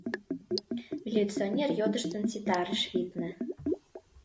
Милиционер йодыштын ситарыш, витне.